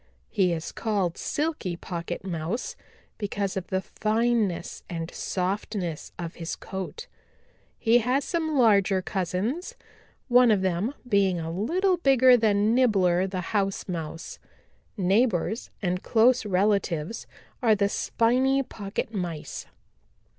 He is called Silky Pocket Mouse because of the fineness and softness of his coat. He has some larger cousins, one of them being a little bigger than Nibbler the House Mouse. Neighbors and close relatives are the Spiny Pocket Mice."